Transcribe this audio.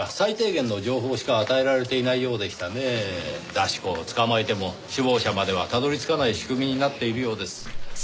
出し子を捕まえても首謀者まではたどり着かない仕組みになっているようです。